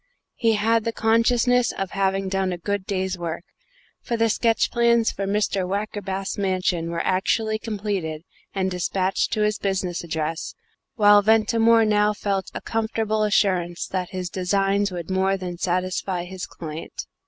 He had the consciousness of having done a good day's work, for the sketch plans for Mr. Wackerbath's mansion were actually completed and despatched to his business address, while Ventimore now felt a comfortable assurance that his designs would more than satisfy his client.